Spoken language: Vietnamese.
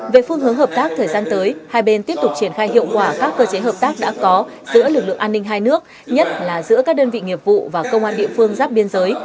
về phương hướng hợp tác thời gian tới hai bên tiếp tục triển khai hiệu quả các cơ chế hợp tác đã có giữa lực lượng an ninh hai nước nhất là giữa các đơn vị nghiệp vụ và công an địa phương giáp biên giới